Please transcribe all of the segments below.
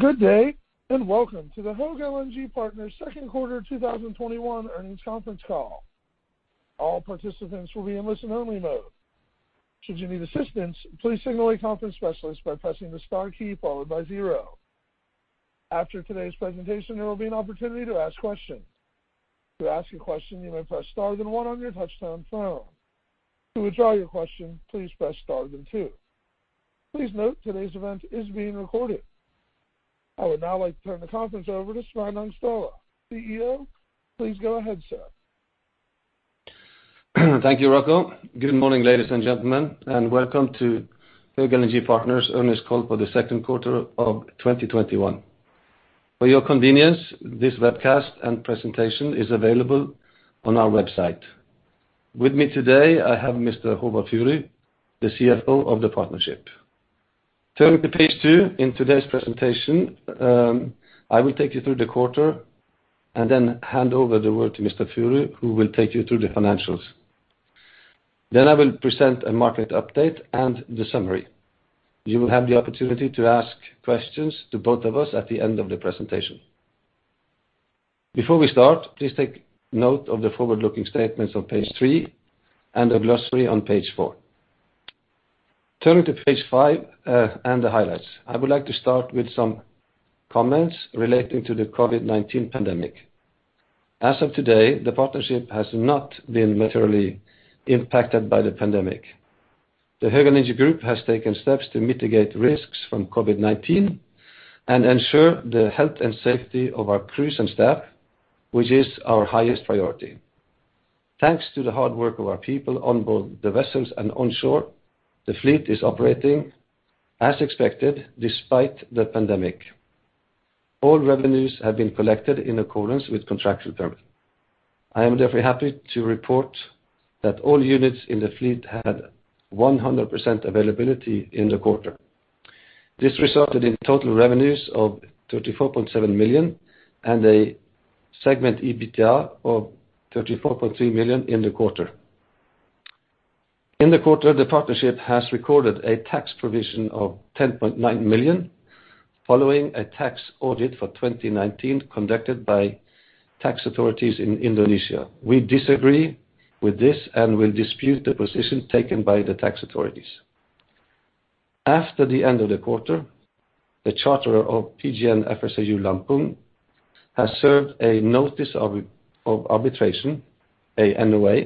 Good day. Welcome to the Höegh LNG Partners second quarter 2021 earnings conference call. All participants will be in listen-only mode. Should you need assistance, please signal a conference specialist by pressing the star key followed by 0. After today's presentation, there will be an opportunity to ask questions. To ask a question, you may press star then 1 on your touch-tone phone. To withdraw your question, please press star then 2. Please note, today's event is being recorded. I would now like to turn the conference over to Sveinung Støhle, CEO. Please go ahead, sir. Thank you, Rocco. Good morning, ladies and gentlemen, and welcome to Höegh LNG Partners earnings call for the second quarter of 2021. For your convenience, this webcast and presentation is available on our website. With me today, I have Mr. Håvard Furu, the CFO of the partnership. Turning to page two in today's presentation, I will take you through the quarter and then hand over the word to Mr. Furu, who will take you through the financials. I will present a market update and the summary. You will have the opportunity to ask questions to both of us at the end of the presentation. Before we start, please take note of the forward-looking statements on page three and the glossary on page four. Turning to page five, and the highlights. I would like to start with some comments relating to the COVID-19 pandemic. As of today, the partnership has not been materially impacted by the pandemic. The Höegh LNG group has taken steps to mitigate risks from COVID-19 and ensure the health and safety of our crews and staff, which is our highest priority. Thanks to the hard work of our people onboard the vessels and onshore, the fleet is operating as expected despite the pandemic. All revenues have been collected in accordance with contractual terms. I am therefore happy to report that all units in the fleet had 100% availability in the quarter. This resulted in total revenues of $34.7 million and a segment EBITDA of $34.3 million in the quarter. In the quarter, the partnership has recorded a tax provision of $10.9 million following a tax audit for 2019 conducted by tax authorities in Indonesia. We disagree with this and will dispute the position taken by the tax authorities. After the end of the quarter, the charterer of PGN FSRU Lampung has served a notice of arbitration, a NOA,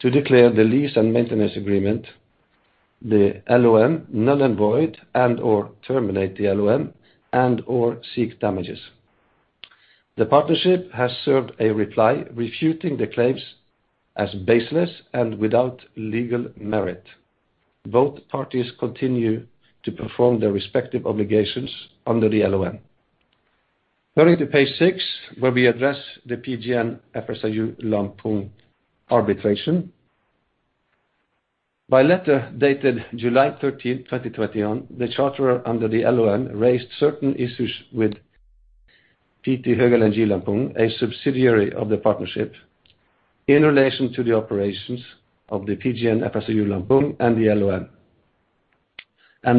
to declare the lease and maintenance agreement, the LoM, null and void and/or terminate the LoM and/or seek damages. The partnership has served a reply refuting the claims as baseless and without legal merit. Both parties continue to perform their respective obligations under the LoM. Turning to page 6, where we address the PGN FSRU Lampung arbitration. By letter dated July 13th, 2021, the charterer under the LoM raised certain issues with PT Höegh LNG Lampung, a subsidiary of the partnership, in relation to the operations of the PGN FSRU Lampung and the LoM.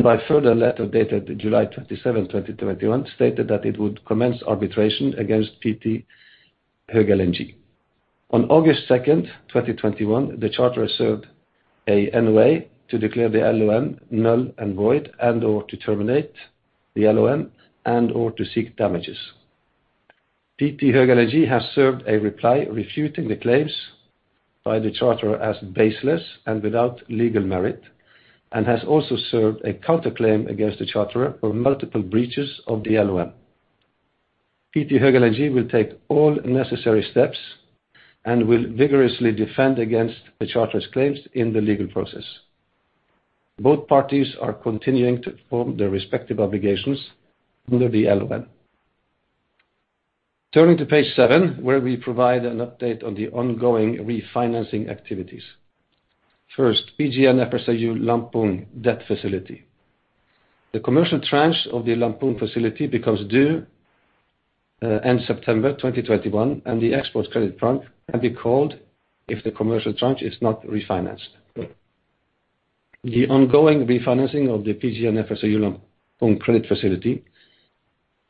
By further letter, dated July 27th, 2021, stated that it would commence arbitration against PT Höegh LNG. On August 2nd, 2021, the charterer served an NOA to declare the LOM null and void and/or to terminate the LOM and/or to seek damages. PT Höegh LNG has served a reply refuting the claims by the charterer as baseless and without legal merit, and has also served a counterclaim against the charterer for multiple breaches of the LOM. PT Höegh LNG will take all necessary steps and will vigorously defend against the charterer's claims in the legal process. Both parties are continuing to perform their respective obligations under the LOM. Turning to page seven, where we provide an update on the ongoing refinancing activities. First, PGN FSRU Lampung debt facility. The commercial tranche of the Lampung facility becomes due end September 2021, and the export credit front can be called if the commercial tranche is not refinanced. The ongoing refinancing of the PGN FSRU Lampung credit facility,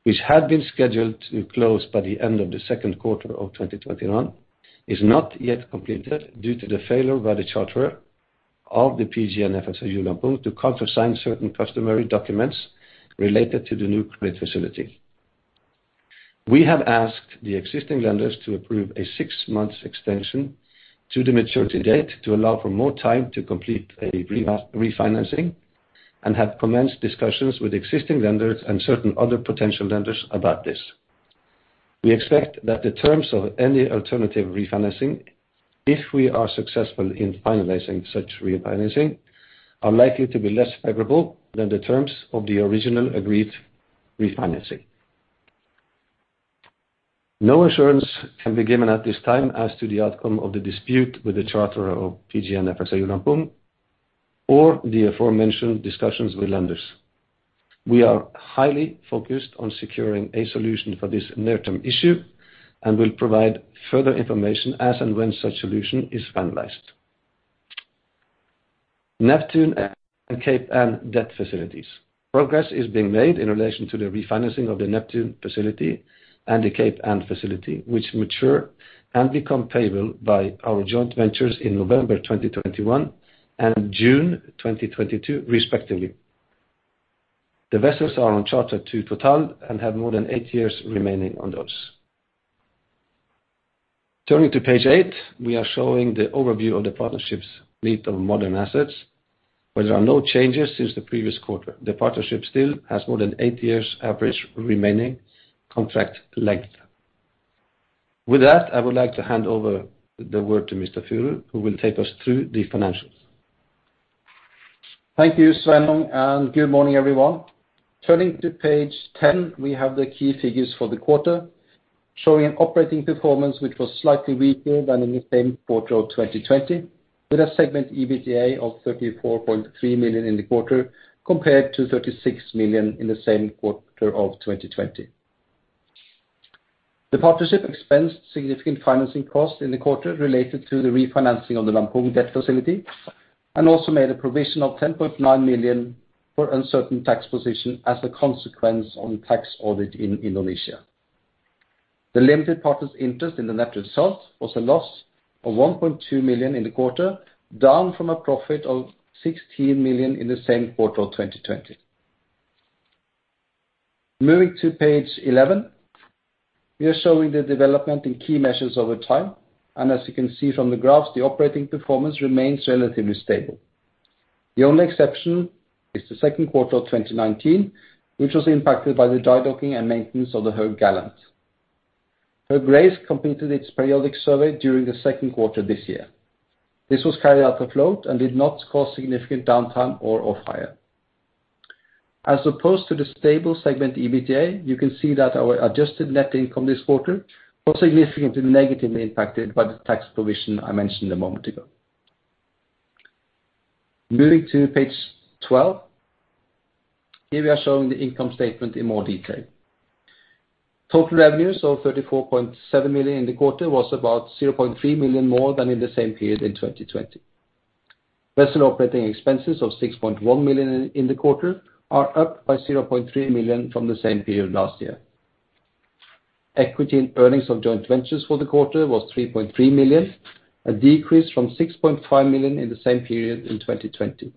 which had been scheduled to close by the end of the second quarter of 2021, is not yet completed due to the failure by the charterer of the PGN FSRU Lampung to countersign certain customary documents related to the new credit facility. We have asked the existing lenders to approve a six-month extension to the maturity date to allow for more time to complete a refinancing and have commenced discussions with existing lenders and certain other potential lenders about this. We expect that the terms of any alternative refinancing, if we are successful in finalizing such refinancing, are likely to be less favorable than the terms of the original agreed refinancing. No assurance can be given at this time as to the outcome of the dispute with the charterer of PGN FSRU Lampung or the aforementioned discussions with lenders. We are highly focused on securing a solution for this near-term issue and will provide further information as and when such solution is finalized. Neptune and Cape Ann debt facilities. Progress is being made in relation to the refinancing of the Neptune facility and the Cape Ann facility, which mature and become payable by our joint ventures in November 2021 and June 2022, respectively. The vessels are on charter to TotalEnergies and have more than 8 years remaining on those. Turning to page 8, we are showing the overview of the partnership's fleet of modern assets, where there are no changes since the previous quarter. The partnership still has more than 8 years average remaining contract length. With that, I would like to hand over the word to Mr. Furu, who will take us through the financials. Thank you, Sveinung Støhle, and good morning, everyone. Turning to page 10, we have the key figures for the quarter, showing operating performance which was slightly weaker than in the same quarter of 2020, with a segment EBITDA of $34.3 million in the quarter, compared to $36 million in the same quarter of 2020. The partnership expensed significant financing costs in the quarter related to the refinancing of the Lampung debt facility, and also made a provision of $10.9 million for uncertain tax position as a consequence on tax audit in Indonesia. The limited partners' interest in the net result was a loss of $1.2 million in the quarter, down from a profit of $16 million in the same quarter of 2020. Moving to page 11, we are showing the development in key measures over time, and as you can see from the graphs, the operating performance remains relatively stable. The only exception is the second quarter of 2019, which was impacted by the dry docking and maintenance of the Höegh Gallant. Höegh Grace completed its periodic survey during the second quarter this year. This was carried out afloat and did not cause significant downtime or off-hire. As opposed to the stable segment EBITDA, you can see that our adjusted net income this quarter was significantly negatively impacted by the tax provision I mentioned a moment ago. Moving to page 12. Here we are showing the income statement in more detail. Total revenues of $34.7 million in the quarter was about $0.3 million more than in the same period in 2020. Vessel operating expenses of $6.1 million in the quarter are up by $0.3 million from the same period last year. Equity and earnings of joint ventures for the quarter was $3.3 million, a decrease from $6.5 million in the same period in 2020.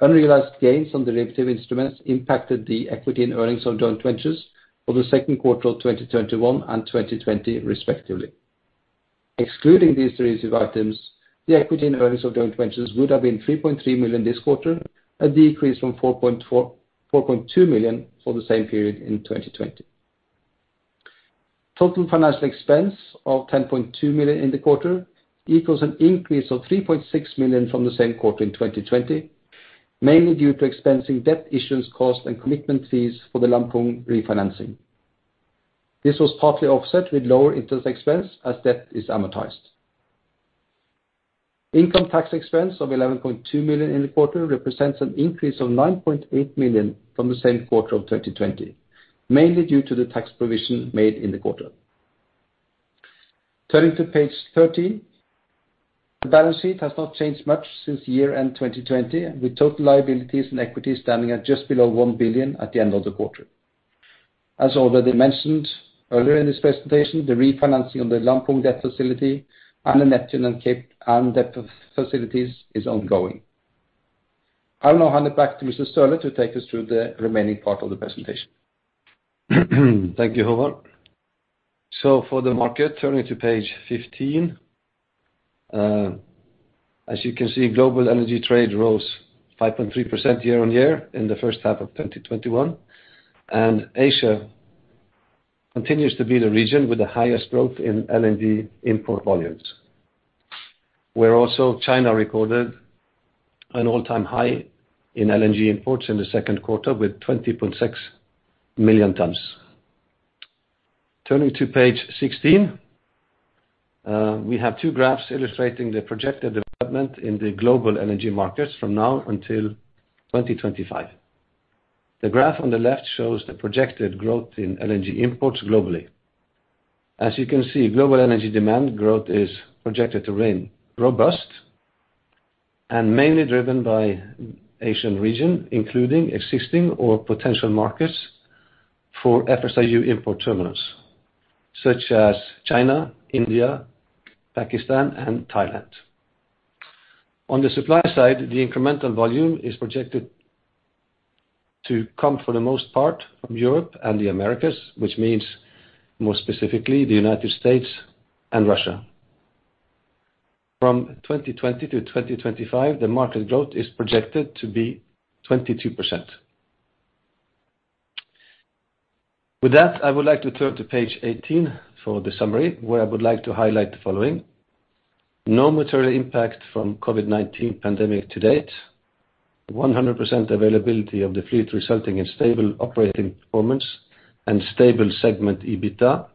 Unrealized gains on derivative instruments impacted the equity and earnings of joint ventures for the second quarter of 2021 and 2020 respectively. Excluding these derivative items, the equity and earnings of joint ventures would have been $3.3 million this quarter, a decrease from $4.2 million for the same period in 2020. Total financial expense of $10.2 million in the quarter equals an increase of $3.6 million from the same quarter in 2020, mainly due to expensing debt issuance costs and commitment fees for the Lampung refinancing. This was partly offset with lower interest expense as debt is amortized. Income tax expense of $11.2 million in the quarter represents an increase of $9.8 million from the same quarter of 2020, mainly due to the tax provision made in the quarter. Turning to page 13. The balance sheet has not changed much since year-end 2020, with total liabilities and equity standing at just below $1 billion at the end of the quarter. As already mentioned earlier in this presentation, the refinancing of the Lampung debt facility and the Neptune and Cape Ann debt facilities is ongoing. I'll now hand it back to Mr. Støhle to take us through the remaining part of the presentation. Thank you, Håvard. For the market, turning to page 15. As you can see, global energy trade rose 5.3% year on year in the first half of 2021, and Asia continues to be the region with the highest growth in LNG import volumes. Where also China recorded an all-time high in LNG imports in the second quarter with 20.6 million tons. Turning to page 16. We have two graphs illustrating the projected development in the global energy markets from now until 2025. The graph on the left shows the projected growth in LNG imports globally. As you can see, global energy demand growth is projected to remain robust and mainly driven by Asian region, including existing or potential markets for FSRU import terminals, such as China, India, Pakistan and Thailand. On the supply side, the incremental volume is projected to come for the most part from Europe and the Americas, which means more specifically the United States and Russia. From 2020 to 2025, the market growth is projected to be 22%. With that, I would like to turn to page 18 for the summary, where I would like to highlight the following. No material impact from COVID-19 pandemic to date. 100% availability of the fleet resulting in stable operating performance and stable segment EBITDA.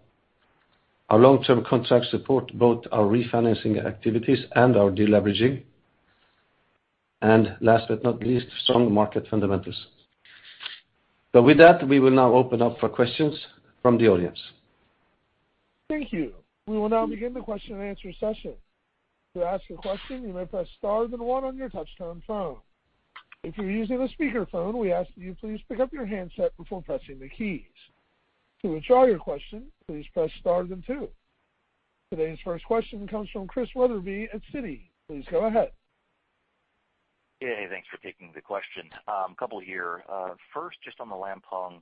Our long-term contracts support both our refinancing activities and our deleveraging. Last but not least, strong market fundamentals. With that, we will now open up for questions from the audience. Thank you. We will now begin the question and answer session. Today's first question comes from Christian Wetherbee at Citi. Please go ahead. Yeah. Hey, thanks for taking the question. A couple here. First, just on the Lampung.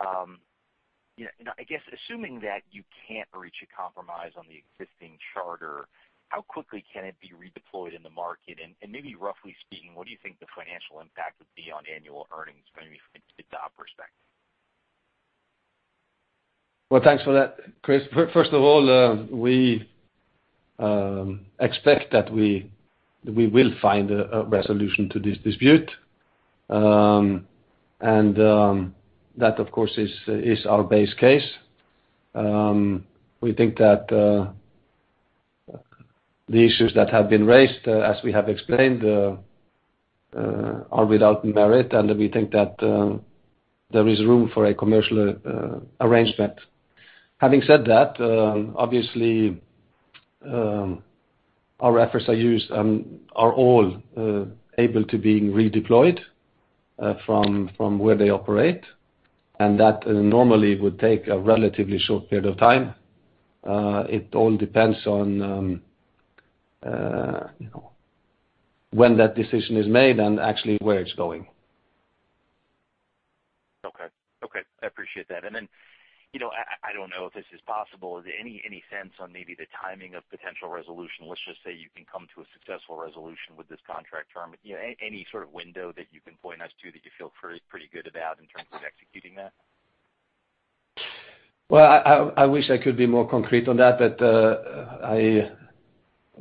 I guess assuming that you can't reach a compromise on the existing charter, how quickly can it be redeployed in the market? Maybe roughly speaking, what do you think the financial impact would be on annual earnings, maybe from an EBITDA perspective? Well, thanks for that, Chris. First of all, we expect that we will find a resolution to this dispute. That, of course, is our base case. We think that the issues that have been raised, as we have explained, are without merit. We think that there is room for a commercial arrangement. Having said that, obviously, our efforts are used and are all able to being redeployed from where they operate. That normally would take a relatively short period of time. It all depends on when that decision is made and actually where it's going. Okay. I appreciate that. I don't know if this is possible. Is there any sense on maybe the timing of potential resolution? Let's just say you can come to a successful resolution with this contract term. Any sort of window that you can point us to that you feel pretty good about in terms of executing that? Well, I wish I could be more concrete on that, but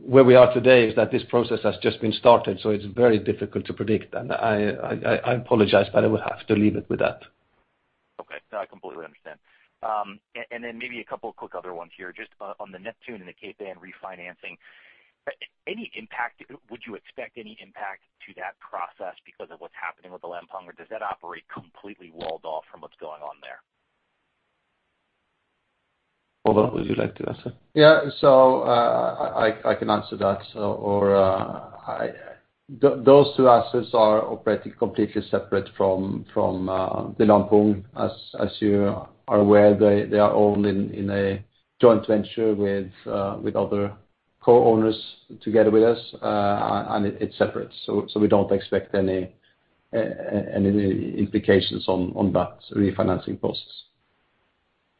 where we are today is that this process has just been started, so it's very difficult to predict. I apologize, but I will have to leave it with that. Okay. No, I completely understand. Maybe a couple of quick other ones here, just on the Neptune and the Cape Ann refinancing. Would you expect any impact to that process because of what's happening with the Lampung, or does that operate completely walled off from what's going on there? Håvard, would you like to answer? Yeah. I can answer that. Those two assets are operating completely separate from the Lampung. As you are aware, they are owned in a joint venture with other co-owners together with us. It's separate, so we don't expect any implications on that refinancing process.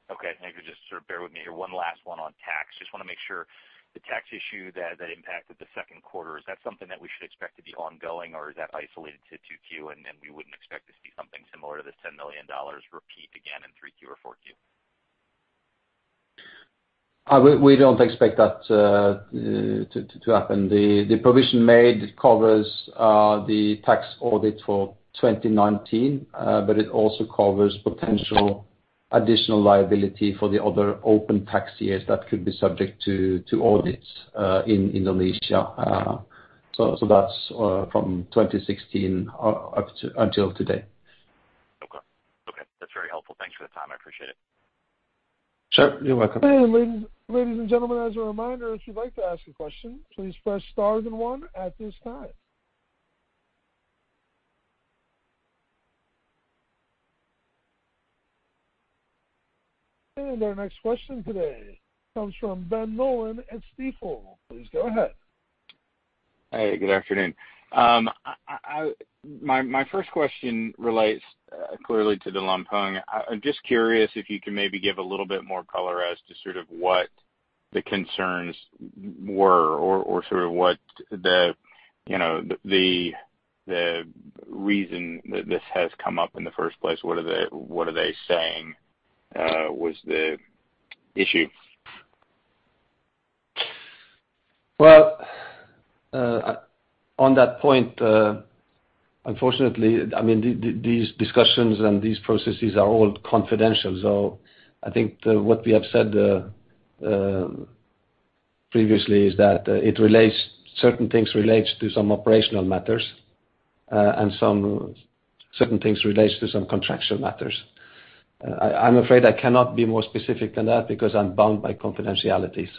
Okay. If you could just bear with me here, one last one on tax. Just want to make sure, the tax issue that impacted the second quarter, is that something that we should expect to be ongoing, or is that isolated to 2Q and then we wouldn't expect to see something similar to the $10 million repeat again in 3Q or 4Q? We don't expect that to happen. The provision made covers the tax audit for 2019, but it also covers potential additional liability for the other open tax years that could be subject to audits in Indonesia. That's from 2016 until today. Okay. That's very helpful. Thanks for the time. I appreciate it. Sure. You're welcome. Ladies and gentlemen, as a reminder, if you'd like to ask a question, please press star then 1 at this time. Our next question today comes from Ben Nolan at Stifel. Please go ahead. Hey, good afternoon. My first question relates clearly to the Lampung. I'm just curious if you can maybe give a little bit more color as to sort of what the concerns were or sort of what the reason that this has come up in the first place. What are they saying was the issue? Well, on that point, unfortunately, these discussions and these processes are all confidential. I think what we have said previously is that certain things relates to some operational matters, and certain things relates to some contractual matters. I'm afraid I cannot be more specific than that because I'm bound by confidentiality.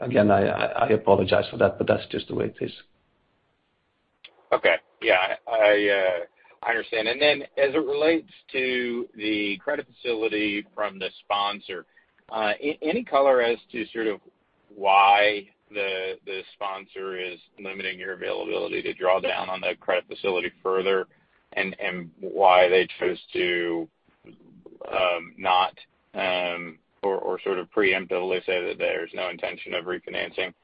Again, I apologize for that, but that's just the way it is. Okay. Yeah, I understand. As it relates to the credit facility from the sponsor, any color as to sort of why the sponsor is limiting your availability to draw down on the credit facility further and why they chose to not or sort of preemptively say that there's no intention of refinancing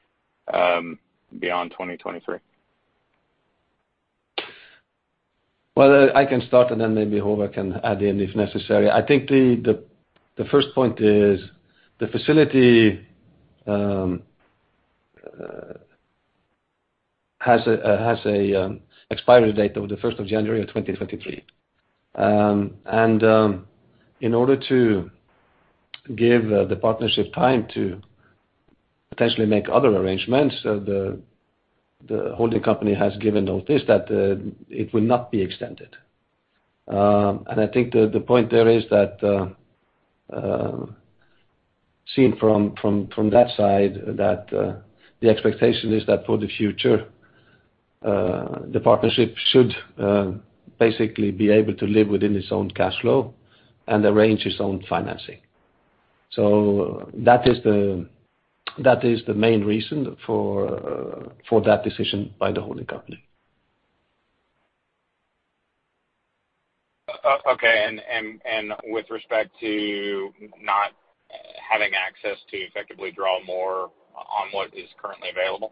beyond 2023? Well, I can start and then maybe Håvard can add in if necessary. I think the first point is the facility has an expiry date of the 1st of January of 2023. In order to give the partnership time to Potentially make other arrangements. The holding company has given notice that it will not be extended. I think the point there is that, seen from that side, that the expectation is that for the future, the Partnership should basically be able to live within its own cash flow and arrange its own financing. That is the main reason for that decision by the holding company. Okay. With respect to not having access to effectively draw more on what is currently available?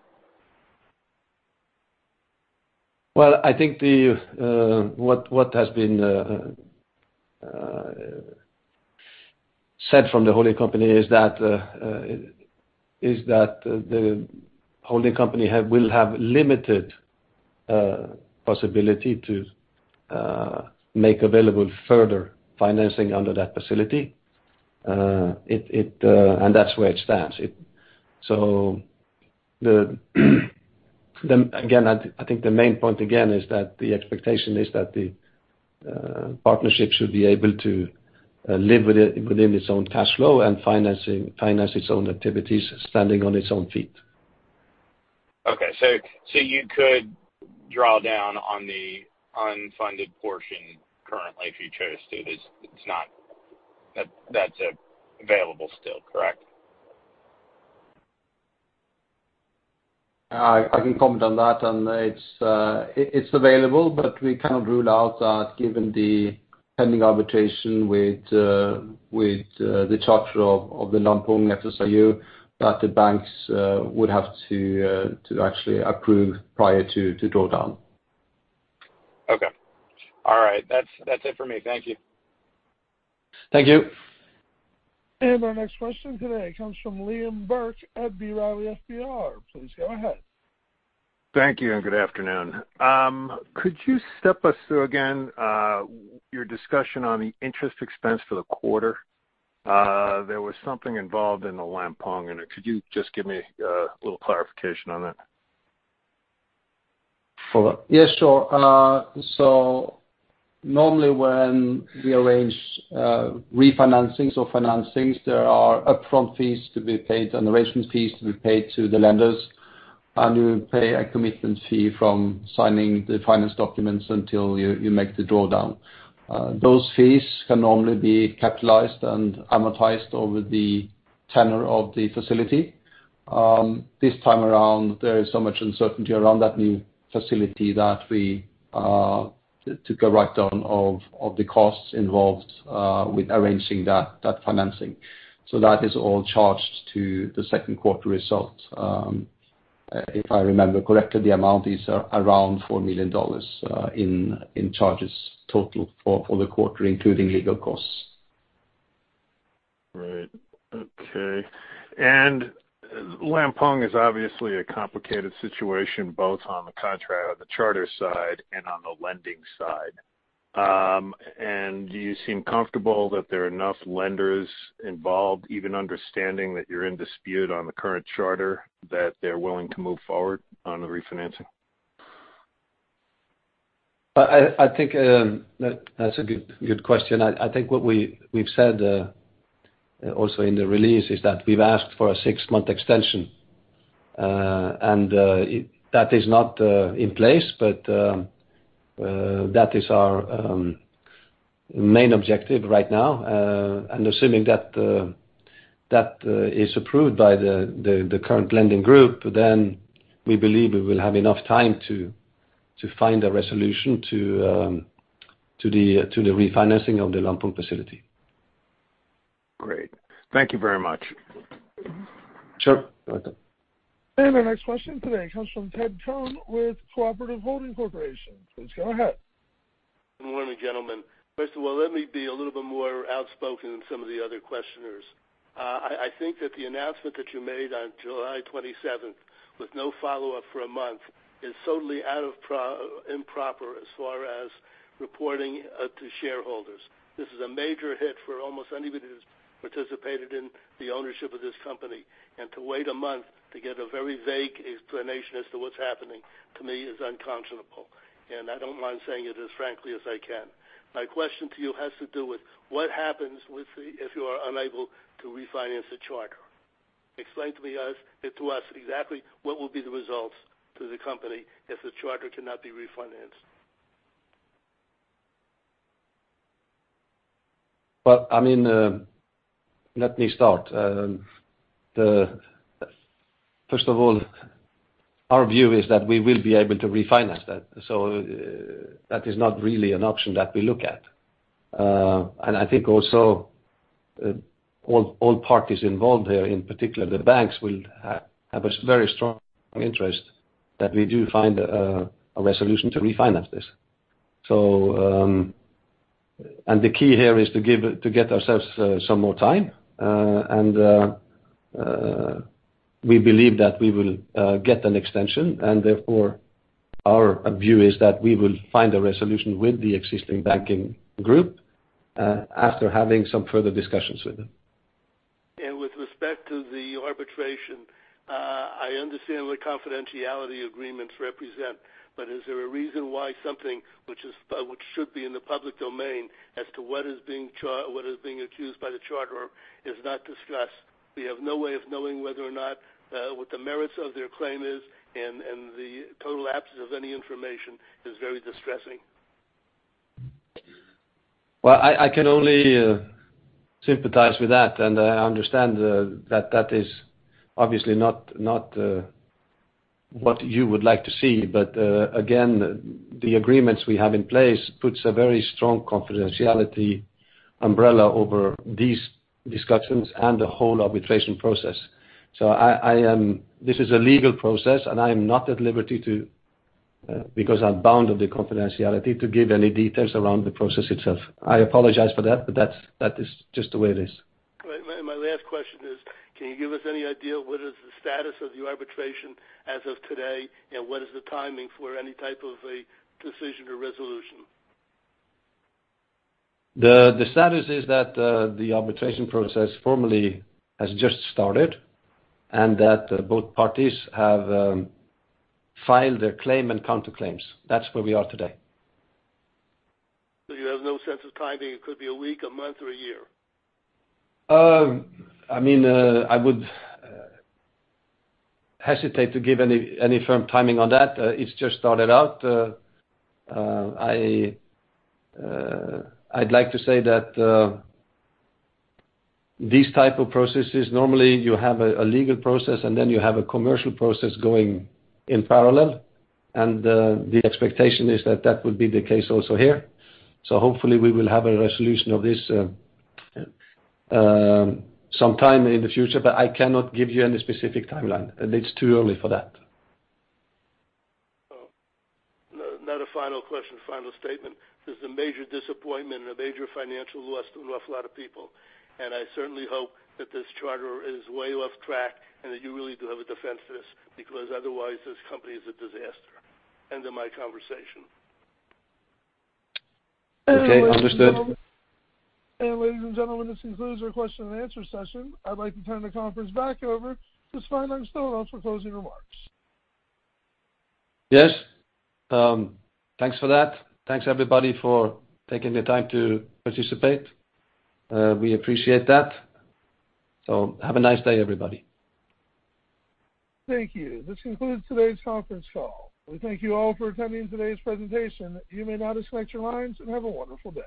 Well, I think what has been said from the holding company is that the holding company will have limited possibility to make available further financing under that facility. That's where it stands. I think the main point again is that the expectation is that the partnership should be able to live within its own cash flow and finance its own activities, standing on its own feet. Okay. You could draw down on the unfunded portion currently if you chose to. That's available still, correct? I can comment on that. It's available, but we cannot rule out that given the pending arbitration with the charter of the Lampung FSRU, that the banks would have to actually approve prior to draw down. Okay. All right. That's it for me. Thank you. Thank you. Our next question today comes from Liam Burke at B. Riley FBR. Please go ahead. Thank you and good afternoon. Could you step us through again your discussion on the interest expense for the quarter? There was something involved in the Lampung in it. Could you just give me a little clarification on that? Yes, sure. Normally when we arrange refinancings or financings, there are upfront fees to be paid and arrangement fees to be paid to the lenders. We pay a commitment fee from signing the finance documents until you make the drawdown. Those fees can normally be capitalized and amortized over the tenure of the facility. This time around, there is so much uncertainty around that new facility that we took a write-down of the costs involved with arranging that financing. That is all charged to the second quarter results. If I remember correctly, the amount is around $4 million in charges total for the quarter, including legal costs. Right. Okay. Lampung is obviously a complicated situation, both on the contract, on the charter side, and on the lending side. Do you seem comfortable that there are enough lenders involved, even understanding that you are in dispute on the current charter, that they are willing to move forward on the refinancing? That's a good question. I think what we've said also in the release is that we've asked for a six-month extension. That is not in place, but that is our main objective right now. Assuming that is approved by the current lending group, then we believe we will have enough time to find a resolution to the refinancing of the Lampung facility. Great. Thank you very much. Sure. Welcome. Our next question today comes from Ted Tone with Cooperative Holding Corporation. Please go ahead. Good morning, gentlemen. First of all, let me be a little bit more outspoken than some of the other questioners. I think that the announcement that you made on July 27th with no follow-up for a month is totally improper as far as reporting to shareholders. This is a major hit for almost anybody who's participated in the ownership of this company, and to wait a month to get a very vague explanation as to what's happening, to me, is unconscionable. I don't mind saying it as frankly as I can. My question to you has to do with what happens if you are unable to refinance the charter? Explain to us exactly what will be the results to the company if the charter cannot be refinanced. Let me start. First of all, our view is that we will be able to refinance that. That is not really an option that we look at. I think also all parties involved here, in particular the banks, will have a very strong interest that we do find a resolution to refinance this. The key here is to get ourselves some more time. We believe that we will get an extension and therefore Our view is that we will find a resolution with the existing banking group after having some further discussions with them. With respect to the arbitration, I understand what confidentiality agreements represent, but is there a reason why something which should be in the public domain as to what is being accused by the charterer is not discussed? We have no way of knowing what the merits of their claim is, and the total absence of any information is very distressing. Well, I can only sympathize with that, and I understand that that is obviously not what you would like to see. Again, the agreements we have in place puts a very strong confidentiality umbrella over these discussions and the whole arbitration process. This is a legal process, and I am not at liberty to, because I'm bound by the confidentiality, to give any details around the process itself. I apologize for that, but that is just the way it is. My last question is: Can you give us any idea what is the status of the arbitration as of today, and what is the timing for any type of a decision or resolution? The status is that the arbitration process formally has just started, and that both parties have filed their claim and counterclaims. That's where we are today. You have no sense of timing. It could be a week, a month or a year. I would hesitate to give any firm timing on that. It's just started out. I'd like to say that these type of processes, normally you have a legal process and then you have a commercial process going in parallel. The expectation is that that would be the case also here. Hopefully we will have a resolution of this sometime in the future, but I cannot give you any specific timeline. It's too early for that. Not a final question, final statement. This is a major disappointment and a major financial loss to an awful lot of people. I certainly hope that this charterer is way off track and that you really do have a defense to this, because otherwise, this company is a disaster. End of my conversation. Okay, understood. Ladies and gentlemen, this concludes our question and answer session. I'd like to turn the conference back over to Sveinung Støhle for closing remarks. Yes. Thanks for that. Thanks everybody for taking the time to participate. We appreciate that. Have a nice day, everybody. Thank you. This concludes today's conference call. We thank you all for attending today's presentation. You may now disconnect your lines, and have a wonderful day.